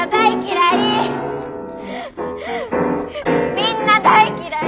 みんな大嫌い！